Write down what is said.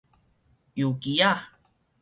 油機仔